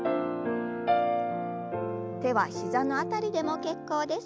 手は膝の辺りでも結構です。